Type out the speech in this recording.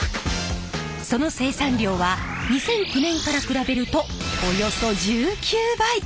その生産量は２００９年から比べるとおよそ１９倍！